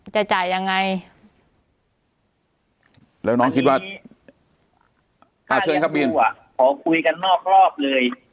จะจ่ายยังไงแล้วน้องคิดว่าค่าเลี้ยงดูอ่ะขอคุยกันนอกรอบเลย